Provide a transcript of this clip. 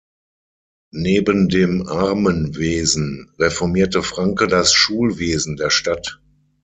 Neben dem Armenwesen reformierte Francke das Schulwesen der Stadt.